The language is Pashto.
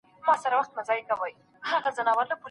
توپان نه وو اسماني توره بلا وه